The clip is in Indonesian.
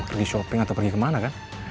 pergi shopping atau pergi kemana kan